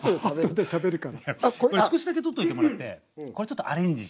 いやこれ少しだけ取っといてもらってこれちょっとアレンジして。